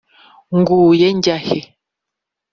nguye njya he?